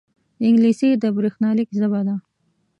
انګلیسي د بریښنالیک ژبه ده